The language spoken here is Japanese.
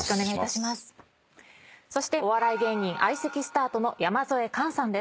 そしてお笑い芸人相席スタートの山添寛さんです。